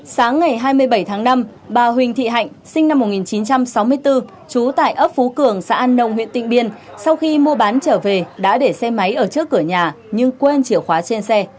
sáng ngày hai mươi bảy tháng năm bà huỳnh thị hạnh sinh năm một nghìn chín trăm sáu mươi bốn trú tại ấp phú cường xã an nông huyện tịnh biên sau khi mua bán trở về đã để xe máy ở trước cửa nhà nhưng quên chìa khóa trên xe